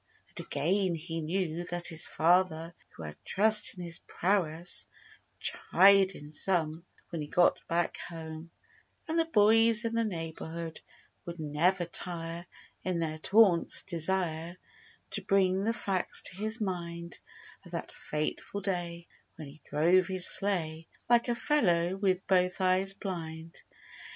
And again he knev^ that his father, who Had trust in his prowess would Chide him some when he got back home; And the boys in the neighborhood Would never tire in their taunt's desire To bring the facts to his mind Of that fateful day when he drove his sleigh 199 Like a fellow with both eyes blind.